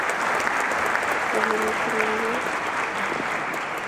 lolei mising eng' ya beet